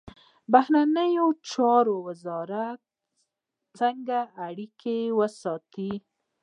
بهرنیو چارو وزارت څنګه اړیکې ساتي؟